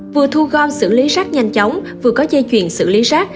vừa thu gom xử lý rác nhanh chóng vừa có dây chuyền xử lý rác